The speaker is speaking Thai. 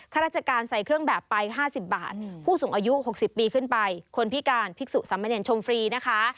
ข้าราชการใส่เครื่องแบบไป๕๐บาทผู้สูงอายุ๖๐ปีขึ้นไปคนพิการภิกษุสามเนรชมฟรีนะคะ